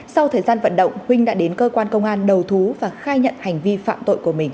sau thời gian vận động huynh đã đến cơ quan công an đầu thú và khai nhận hành vi phạm tội của mình